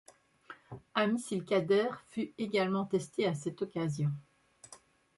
Un missile Qader fut également testé à cette occasion.